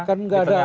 kan gak ada